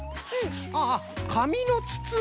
ああかみのつつな。